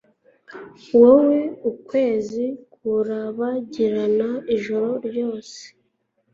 Wowe ukwezi kurabagirana ijoro ryanjye ryose.